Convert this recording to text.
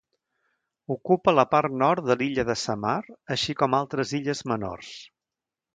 Ocupa la part nord de l'illa de Samar, així com altres illes menors.